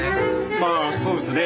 まあそうですね。